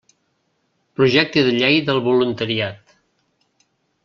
Projecte de llei del voluntariat.